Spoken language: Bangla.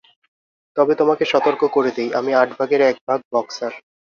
তবে তোমাকে সতর্ক করে দেই, আমি আট ভাগের এক ভাগ বক্সার।